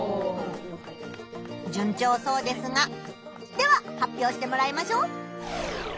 じゅん調そうですがでは発表してもらいましょう！